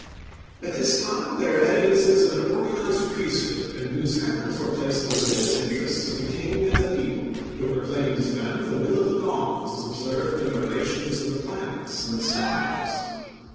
At this time, there are evidences of an organized priesthood in whose hands were placed the religious interests of the king and the people, who proclaimed to them the will of the gods as observed in the relations of the planets and the stars.